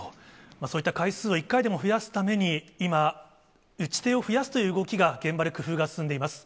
そういった回数を１回でも増やすために、今、打ち手を増やすという動きが、現場で工夫が進んでいます。